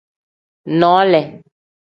Noole.